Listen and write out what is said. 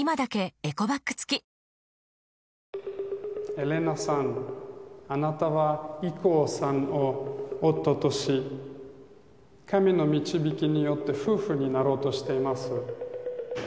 エレナさんあなたは郁夫さんを夫とし神の導きによって夫婦になろうとしています。